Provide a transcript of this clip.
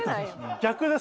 逆です。